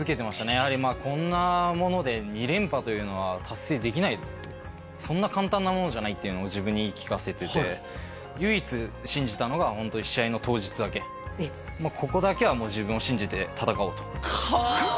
やはりこんなもので２連覇というのは達成できないとっていうのを自分に言い聞かせてて唯一信じたのが試合の当日だけここだけは自分を信じて戦おうとかあ！